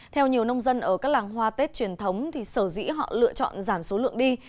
theo nhiều nông dân ở các làng hoa tết truyền thống sở dĩ họ lựa chọn giảm số lượng đi